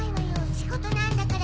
仕事なんだから。